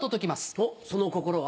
おっその心は？